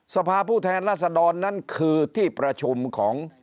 สภาพผู้แทนรัศดรนั้นคือที่ประชุมของ